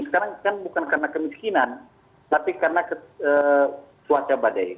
sekarang kan bukan karena kemiskinan tapi karena cuaca badai